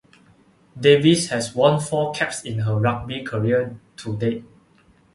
Davies has won four caps in her rugby career to date.